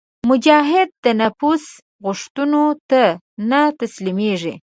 مجاهد د نفس غوښتنو ته نه تسلیمیږي.